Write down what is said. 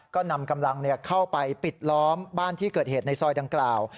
ก็นำกำลังเข้าไปปิดล้อมบ้านที่เกิดเหตุในซอยดังกล่าว